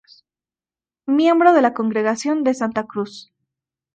Miembro de la Congregación de Santa Cruz.